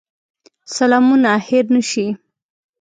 سلامونه هېر نه شي.